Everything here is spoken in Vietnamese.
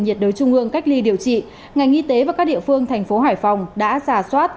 nhiệt đối trung ương cách ly điều trị ngành y tế và các địa phương tp hcm đã giả soát